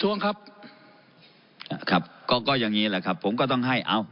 ครับครับครับครับครับครับครับครับครับครับครับครับครับ